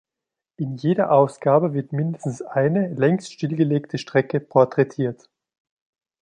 In jeder Ausgabe wird mindestens eine längst stillgelegte Strecke porträtiert.